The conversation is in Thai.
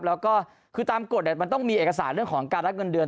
แล้วก็คือตามกฎมันต้องมีเอกสารเรื่องของการรับเงินเดือน